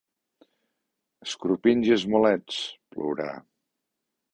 Escorpins i esmolets, plourà.